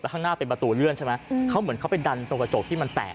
ข้างหน้าเป็นประตูเลื่อนใช่ไหมเขาเหมือนเขาไปดันตรงกระจกที่มันแตก